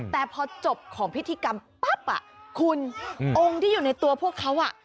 แต่พอจบของพิธีกรรมปั๊บคุณองค์ที่อยู่ในตัวพวกเขา